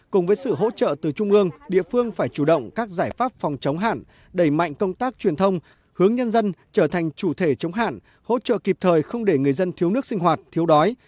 cùng với sự hỗ trợ từ trung ương địa phương phải chủ động các giải pháp phòng chống hạn đẩy mạnh công tác truyền thông hướng nhân dân trở thành chủ thể chống hạn hỗ trợ kịp thời không để người dân thiếu nước sinh hoạt thiếu đói